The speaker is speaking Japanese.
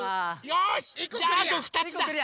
よしじゃああと２つだ。